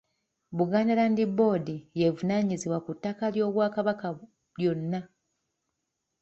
Buganda Land Board y'evunaanyizibwa ku ttaka ly'Obwakabaka lyonna.